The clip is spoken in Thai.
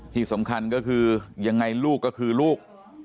ที่สำคัญก็คือยังไงลูกก็คือลูก